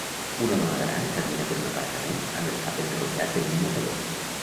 Una dona gran camina per un aparcament amb el cap enrotllat en un mocador.